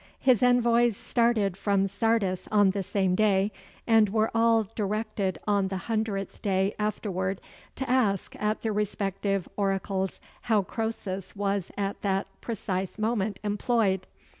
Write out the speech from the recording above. His envoys started from Sardis on the same day, and were all directed on the hundredth day afterward to ask at the respective oracles how Croesus was at that precise moment employed.